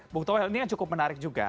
bukto el ini cukup menarik juga